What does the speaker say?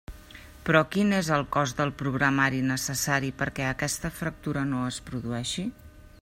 Però, quin és el cost del programari necessari perquè aquesta fractura no es produeixi?